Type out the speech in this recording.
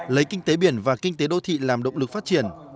lấy kinh tế biển và kinh tế đô thị làm động lực phát triển